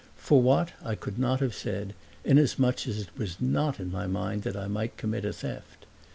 For what I could not have said, inasmuch as it was not in my mind that I might commit a theft.